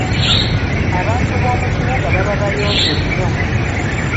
Abantu b'omu kibuga baba bayonjo nnyo!